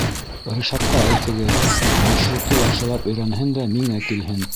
Ришатҡа әйтегеҙ, маршрутты яҡшылап өйрәнһен дә миңә килһен.